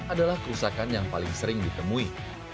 adalah kerusakan yang paling sering ditemui